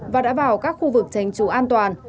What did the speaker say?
và đã vào các khu vực tránh trú an toàn